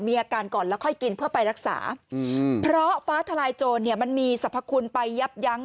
อาการก่อนแล้วค่อยกินเพื่อไปรักษาเพราะฟ้าทลายโจรเนี่ยมันมีสรรพคุณไปยับยั้ง